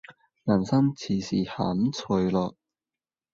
人生其實很脆弱